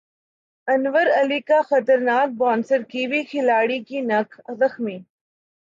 انور علی کا خطرناک bouncer Kiwi کھلاڑی کی نکھ زخمی